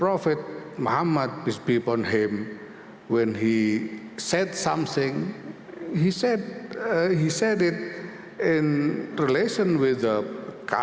retno juga menyampaikan bahwa dia akan menjelaskan keberpihakan indonesia terhadap palestina